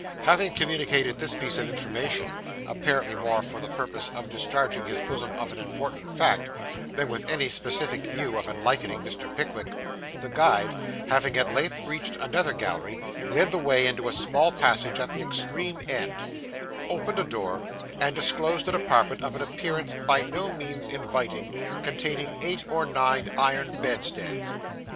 Having communicated this piece of information, apparently more for the purpose of discharging his bosom of an important fact, than with any specific view of enlightening Mr. Pickwick, the guide, having at length reached another gallery, led the way into a small passage at the extreme end, opened a door, and disclosed an apartment of an appearance by no means inviting, containing eight or nine iron bedsteads.